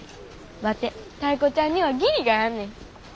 ワテタイ子ちゃんには義理があんねん。